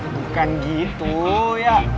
bukan gitu ya